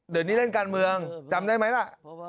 เดี๋ยวนี้เล่นการเมืองจำได้ไหมล่ะ